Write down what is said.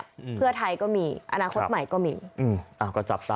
อืมเพื่อไทยก็มีอนาคตใหม่ก็มีอืมอ่าก็จับตา